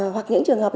hoặc những trường hợp